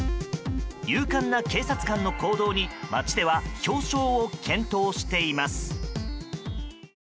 勇敢な警察官の行動に町では表彰を検討しています。